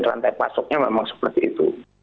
rantai pasoknya memang seperti itu